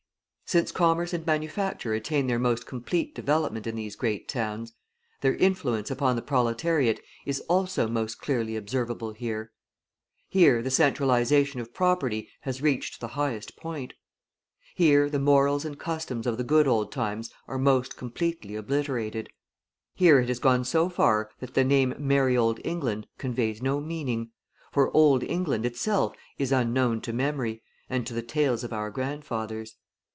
Since commerce and manufacture attain their most complete development in these great towns, their influence upon the proletariat is also most clearly observable here. Here the centralisation of property has reached the highest point; here the morals and customs of the good old times are most completely obliterated; here it has gone so far that the name Merry Old England conveys no meaning, for Old England itself is unknown to memory and to the tales of our grandfathers.